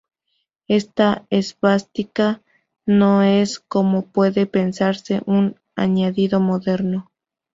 Esta esvástica no es, como puede pensarse, un añadido moderno.